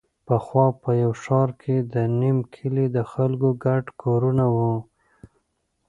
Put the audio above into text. پخوا په یوه ښاره کې د نیم کلي د خلکو ګډ کورونه وو.